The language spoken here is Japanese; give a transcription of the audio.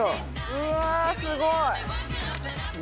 うわあすごい！